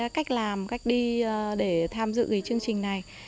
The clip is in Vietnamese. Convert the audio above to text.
cách làm cách đi để tham dự chương trình này